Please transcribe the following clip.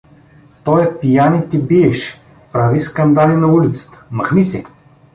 — Той е пиян и те биеше; прави скандали на улицата… Махни се!